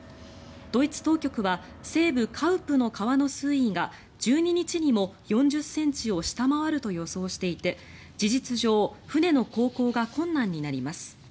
ドイツ当局は西部カウプの川の水位が１２日にも４０ｃｍを下回ると予想していて事実上船の航行が困難になります。